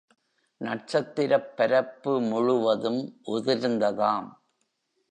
நட்சத்திரப் பரப்பு முழுவதும் உதிர்ந்ததாம்.